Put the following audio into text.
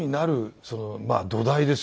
まあ土台ですよね。